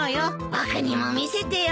僕にも見せてよ。